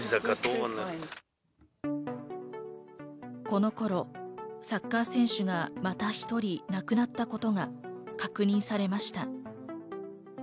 この頃、サッカー選手がまた１人亡くなったことが確認されました。